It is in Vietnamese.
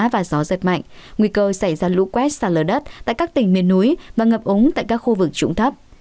và gió rất mạnh nguy cơ xảy ra lũ quét xa lờ đất tại các tỉnh miền núi và ngập ống tại các khu vực trụng thấp